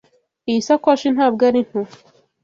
Iyi sakoshi ntabwo ari nto.